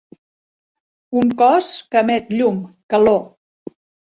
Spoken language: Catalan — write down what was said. Un cos que emet llum, calor.